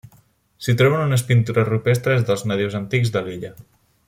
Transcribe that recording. S'hi troben unes pintures rupestres dels nadius antics de l'illa.